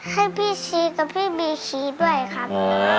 ให้พี่ชี้กับพี่บีชีด้วยครับ